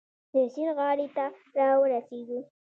د سیند غاړې ته را ورسېدو.